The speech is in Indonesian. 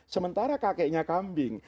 sementara kakeknya kambing